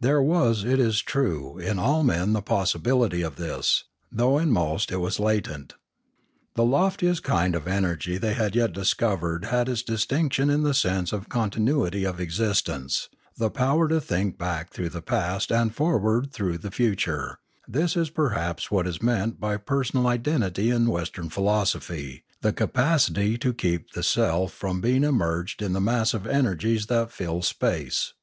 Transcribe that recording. There was it is true in all men the possibility of this, though in most it was latent. The loftiest kind of energy they had yet discovered had as its distinction the sense of continuity of existence, the power to think back through the past and forward through the future; this is perhaps what is meant by personal identity in Western philosophy, the capacity to keep the self from being merged in the mass of energies that fill space.